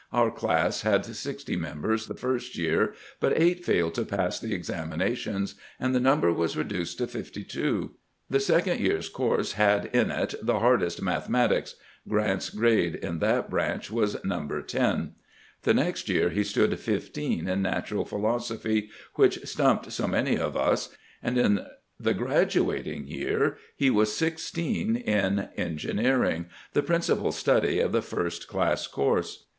Our class had sixty members the first year, but eight failed to pass the examinations, and the number was reduced to fifty two. The second year's course had in it the hardest mathematics ; Grant's grade in that branch was number ten. The next year he stood fifteen in natural philoso phy, which stumped so many of us, and in the graduat ing year he was sixteen in engineering, the principal study in the first class course.